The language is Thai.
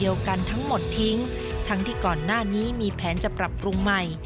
ว่าไม่มีแผนจะปรับปรุงใหม่